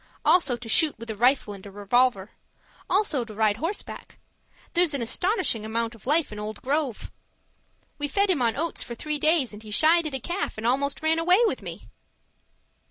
Also to shoot with a rifle and a revolver. Also to ride horseback there's an astonishing amount of life in old Grove. We fed him on oats for three days, and he shied at a calf and almost ran away with me.